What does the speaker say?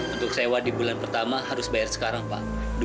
untuk sewa di bulan pertama harus bayar sekarang pak